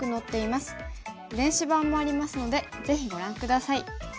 電子版もありますのでぜひご覧下さい。